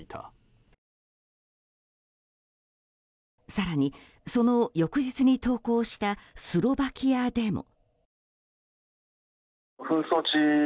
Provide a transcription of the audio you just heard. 更に、その翌日に投稿したスロバキアでも。